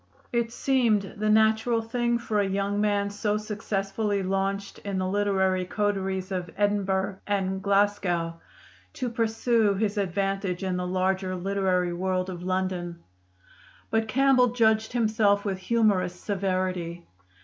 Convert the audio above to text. It seemed the natural thing for a young man so successfully launched in the literary coteries of Edinburgh and Glasgow to pursue his advantage in the larger literary world of London. But Campbell judged himself with humorous severity.